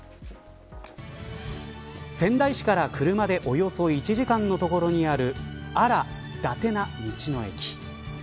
仙台市から車でおよそ１時間の所にあるあ・ら・伊達な道の駅。